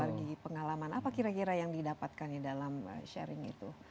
dari pengalaman apa kira kira yang didapatkan dalam sharing itu